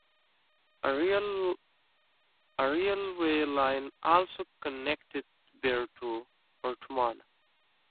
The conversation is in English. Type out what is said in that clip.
A railway line also connected Birr to Portumna.